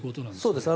そうです。